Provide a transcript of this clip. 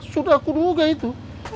sudah aku duga itu